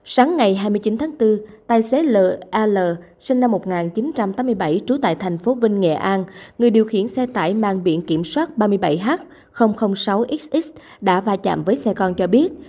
sáng ngày hai mươi chín tháng bốn tài xế la sinh năm một nghìn chín trăm tám mươi bảy trú tại thành phố vinh nghệ an người điều khiển xe tải mang biển kiểm soát ba mươi bảy h sáu xx đã va chạm với xe con cho biết